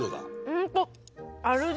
ホント。